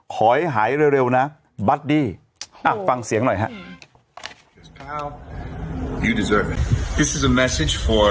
ขอให้หายเร็วนะบัดดี้ฟังเสียงหน่อยฮะ